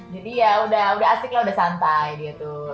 jadi ya udah asik lah udah santai dia tuh